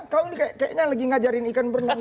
kau ini kayaknya lagi ngajarin ikan bernyanyi